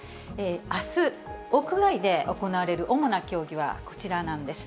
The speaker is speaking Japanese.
あす、屋外で行われる主な競技はこちらなんです。